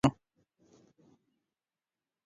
د حق غږ باید پورته کړو.